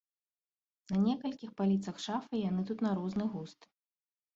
На некалькіх паліцах шафы яны тут на розны густ.